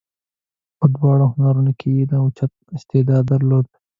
په دواړو هنرونو کې یې اوچت استعداد درلود.